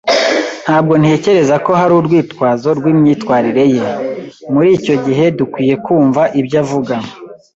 Ntabwo ntekereza ko hari urwitwazo rwimyitwarire ye. Muri icyo gihe, dukwiye kumva ibyo avuga